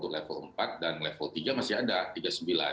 level empat dan level tiga masih ada tiga puluh sembilan